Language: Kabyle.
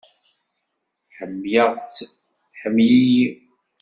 Ḥemmleɣ-tt, tḥemmel-iyi.